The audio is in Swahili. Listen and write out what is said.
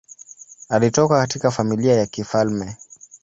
Alitoka katika familia ya kifalme.